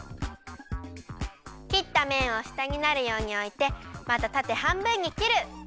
きっためんをしたになるようにおいてまたたてはんぶんにきる。